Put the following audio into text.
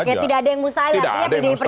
oke tidak ada yang mustahil